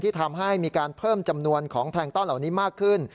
ทำให้มีการเพิ่มจำนวนของแพลงต้อนเหล่านี้มากขึ้น